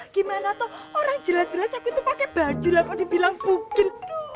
gimana tuh orang jelas jelas aku tuh pakai baju lah kok dibilang bukit